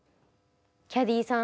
キャディーさん